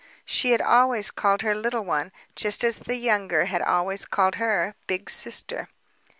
She had always called her, "Little One," just as the younger had always called her "Big Sister."